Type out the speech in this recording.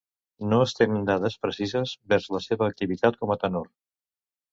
No es tenen dades precises vers la seva activitat com a tenor.